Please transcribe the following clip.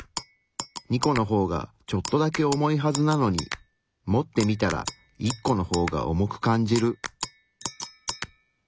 ２個の方がちょっとだけ重いはずなのに持ってみたら１個の方が重く感じる。